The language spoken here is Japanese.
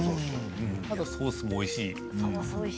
ソースもおいしい。